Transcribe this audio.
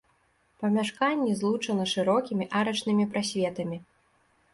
Памяшканні злучаны шырокімі арачнымі прасветамі.